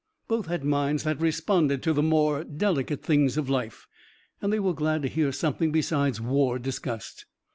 Both had minds that responded to the more delicate things of life, and they were glad to hear something besides war discussed.